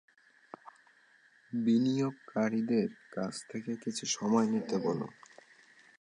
বিনিয়োগকারীদের কাছ থেকে কিছু সময় নিতে বল।